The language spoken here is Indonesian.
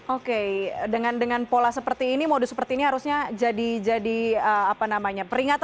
oke dengan pola seperti ini modus seperti ini harusnya jadi apa namanya